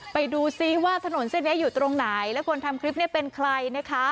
ไปดูซิว่าถนนเส้นนี้อยู่ตรงไหนและคนทำคลิปเนี่ยเป็นใครนะคะ